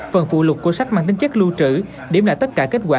phần phụ lục của sách mang tính chất lưu trữ điểm lại tất cả kết quả